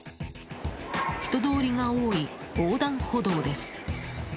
人通りが多い横断歩道です。